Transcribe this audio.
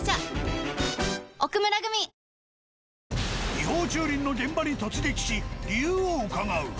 違法駐輪の現場に突撃し理由を伺う。